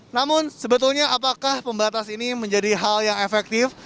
namun sebetulnya apakah pembatas ini menjadi hal yang efektif